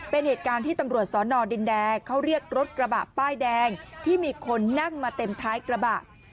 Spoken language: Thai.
เป็นเหตุการณ์ที่ตำรวจสอนอดินแดงเขาเรียกรถกระบะป้ายแดงที่มีคนนั่งมาเต็มท้ายกระบะ